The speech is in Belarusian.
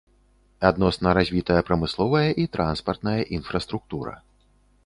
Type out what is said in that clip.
Адносна развітая прамысловая і транспартная інфраструктура.